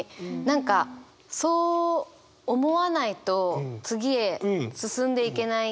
何かそう思わないと次へ進んでいけない。